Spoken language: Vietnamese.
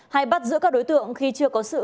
hay bắt giữ các đối tượng khi chưa có sự